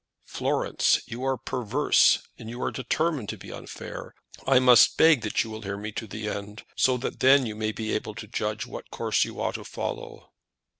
"Florence, you are perverse, and are determined to be unfair. I must beg that you will hear me to the end, so that then you may be able to judge what course you ought to follow."